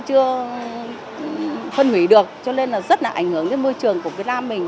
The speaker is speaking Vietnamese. chưa phân hủy được cho nên là rất là ảnh hưởng đến môi trường của việt nam mình